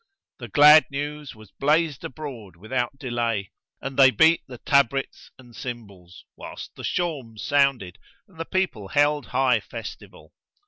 The glad news was blazed abroad without delay; and they beat the tabrets and cymbals, whilst the shawms sounded and the people held high festival.